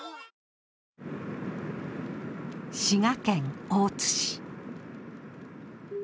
滋賀県大津市。